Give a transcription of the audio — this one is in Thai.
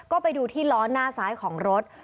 ก็ไปดูที่ล้อหน้าซ้ายของรถ